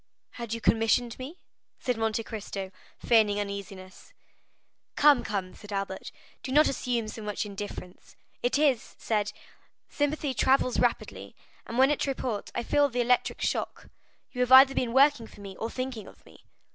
"Had you commissioned me?" said Monte Cristo, feigning uneasiness. "Come, come," said Albert, "do not assume so much indifference. It is said, sympathy travels rapidly, and when at Tréport, I felt the electric shock; you have either been working for me or thinking of me."